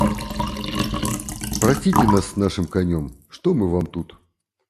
Простите нас с нашим конем, что мы Вам тут.